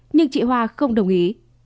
nhưng chị hoà không đồng ý